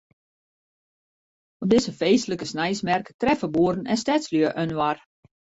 Op dizze feestlike sneinsmerk treffe boeren en stedslju inoar.